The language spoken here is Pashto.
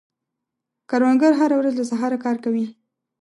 کروندګر هره ورځ له سهاره کار کوي